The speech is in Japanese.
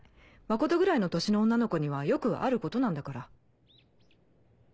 真琴ぐらいの年の女のコにはよくあることなんだから。